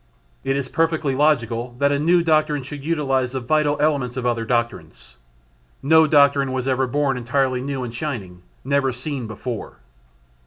It is perfectly logical that a new doctrine should utilise the vital elements of other doctrines. No doctrine was ever born entirely new and shining, never seen before.